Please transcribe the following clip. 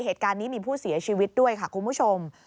เหตุการณ์นี้มีผู้เสียชีวิตด้วยค่ะคุณผู้ชม